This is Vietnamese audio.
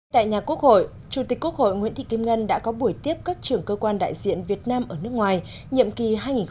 tại nhà quốc hội chủ tịch quốc hội nguyễn thị kim ngân đã có buổi tiếp các trưởng cơ quan đại diện việt nam ở nước ngoài nhiệm kỳ hai nghìn một mươi sáu hai nghìn hai mươi sáu